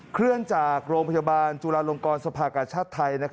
เคลื่อนจากโรงพยาบาลจุฬาลงกรสภากชาติไทย